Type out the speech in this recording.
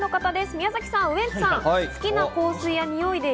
宮崎さん、ウエンツさん。